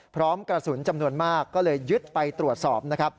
พร้อมกระสุนจำนวนมากก็เลยยึดไปตรวจสอบนะครับ